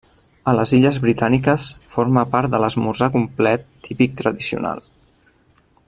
A les illes britàniques forma part de l'esmorzar complet típic tradicional.